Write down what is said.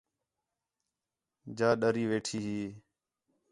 جا ݙری ویٹھی ہی